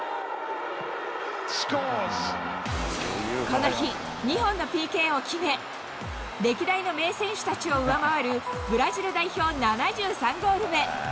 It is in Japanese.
この日、２本のＰＫを決め、歴代の名選手たちを上回る、ブラジル代表７３ゴール目。